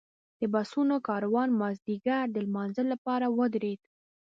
د بسونو کاروان مازیګر د لمانځه لپاره ودرېد.